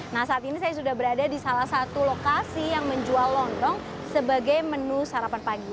nah saat ini saya sudah berada di salah satu lokasi yang menjual lontong sebagai menu sarapan pagi